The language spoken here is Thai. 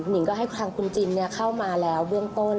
นิงก็ให้ทางคุณจินเข้ามาแล้วเบื้องต้น